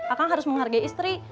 akang harus menghargai istri